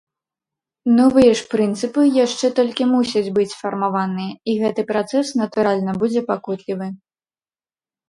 Новыя ж прынцыпы яшчэ толькі мусяць быць сфармаваныя, і гэты працэс, натуральна, будзе пакутлівы.